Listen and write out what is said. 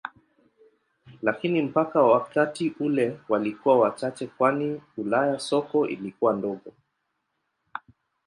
Lakini mpaka wakati ule walikuwa wachache kwani Ulaya soko lilikuwa dogo.